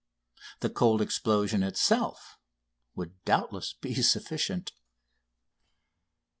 The "cold" explosion itself would doubtless be sufficient....